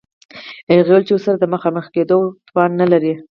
هغې وویل چې ورسره د مخامخ کېدو توان نلري